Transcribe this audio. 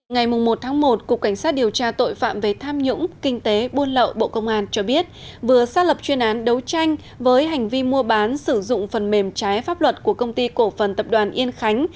ngày một một cục cảnh sát điều tra tội phạm về tham nhũng kinh tế buôn lậu bộ công an cho biết vừa xác lập chuyên án đấu tranh với hành vi mua bán sử dụng phần mềm trái pháp luật của công ty cổ phần tập đoàn yên khánh